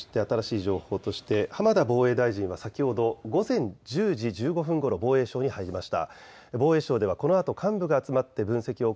そして新しい情報として浜田防衛大臣は先ほど午前１０時１５分ごろ防衛省に入りました。